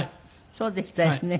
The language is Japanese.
そうでしたよね。